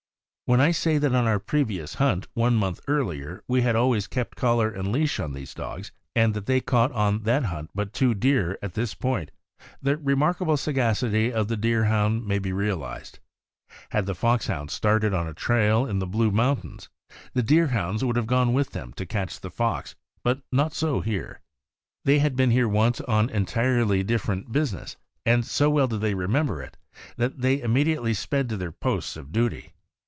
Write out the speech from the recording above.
When I say that on our previous hunt, one month earlier, we had always kept collar and leash on these dogs, and that they caught on that hunt but two deer at this point, the remarkable sagacity ^of the Deerhound may be realized. Had the Fox hounds started on a trail in the Blue Mountains, the Deer hounds would have gone with them to catch the fox; but not so here. They had been here once on entirely different business, and so well did they remember it that they imme 184 THE AMERICAN BOOK OF THE DOG. diately sped to their posts of duty.